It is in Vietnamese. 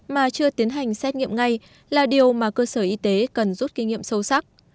mà chưa tiến hành xét nghiệm ngay là điều mà cơ sở y tế cần rút kinh nghiệm sâu sắc